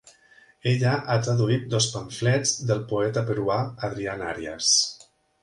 Ella ha traduït dos pamflets del poeta peruà Adrián Arias.